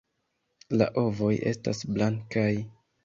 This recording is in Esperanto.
La ovoj estas blankaj.